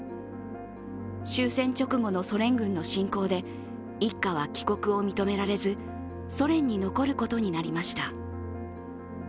終戦直後のソ連軍の侵攻で一家は帰国を認められずソ連に残ることになりました。